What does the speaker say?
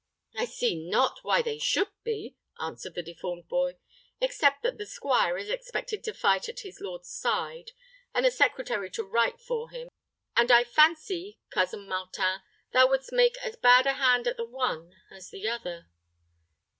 "I see not why they should be," answered the deformed boy, "except that the squire is expected to fight at his lord's side, and the secretary to write for him; and I fancy, Cousin Martin, thou wouldst make as bad a hand at the one as the other."